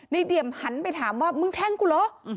เดียมหันไปถามว่ามึงแทงกูเหรอ